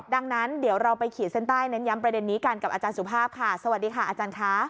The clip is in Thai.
ดังนั้นเดี๋ยวเราไปขีดเส้นใต้เน้นย้ำประเด็นนี้กันกับอาจารย์สุภาพค่ะสวัสดีค่ะอาจารย์ค่ะ